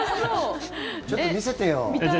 ちょっと見せてよ。